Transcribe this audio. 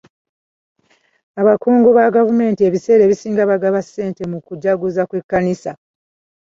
Abakungu ba gavumenti ebiseera ebisinga bagaba ssente mu kujaguza kw'ekkanisa.